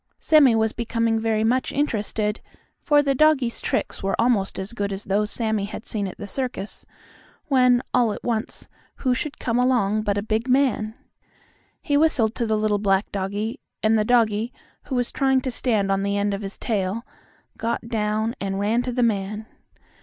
Sammie was becoming very much interested, for the doggie's tricks were almost as good as those Sammie had seen at the circus, when, all at once, who should come along but a big man. He whistled to the little black doggie, and the doggie, who was trying to stand on the end of his tail, got down and ran to the man.